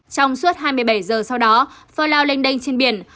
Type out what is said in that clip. trong suốt hai mươi bảy giờ sau đó falao lênh đênh trên biển